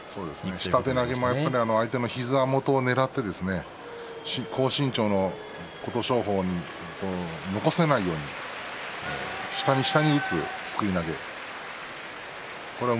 下手投げも相手の膝元をねらって高身長の琴勝峰が残せないように下に下に打つ、すくい投げ